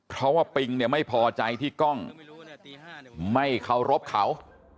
เพราะว่าปิงเนี่ยไม่พอใจที่กล้องไม่เคารพเขา